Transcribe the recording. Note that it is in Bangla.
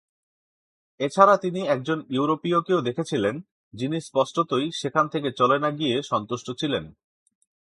এছাড়া তিনি একজন ইউরোপীয়কেও দেখেছিলেন, যিনি স্পষ্টতই সেখান থেকে চলে না গিয়ে সন্তুষ্ট ছিলেন।